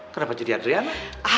kenapa jadi adriana